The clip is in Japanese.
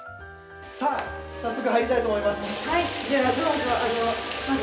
さあ、早速入りたいと思います。